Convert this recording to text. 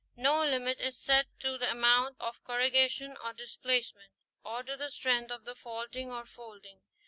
* No limit is set to the amount of corrugation or displacement or to the strength of the faulting or folding.